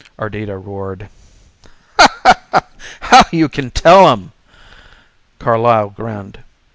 Ardita roared. "How you can tell 'em!" Carlyle grinned.